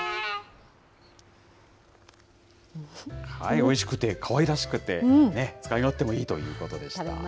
おいしくてかわいらしくて、使い勝手もいいということでした。